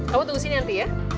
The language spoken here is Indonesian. kamu tunggu sini nanti ya